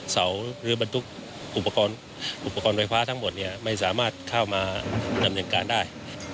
เสาหรือบรรทุกอุปกรณ์ไฟฟ้าทั้งหมดเนี่ยไม่สามารถเข้ามาดำเนินการได้